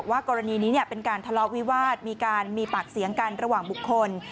กรณีนี้เป็นการทะเลาะวิวาสมีการมีปากเสียงกันระหว่างบุคคล